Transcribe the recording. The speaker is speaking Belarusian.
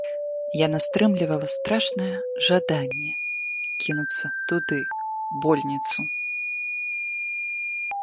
Яна стрымлівала страшнае жаданне кінуцца туды, у больніцу.